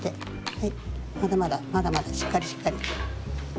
はいまだまだまだまだしっかりしっかり。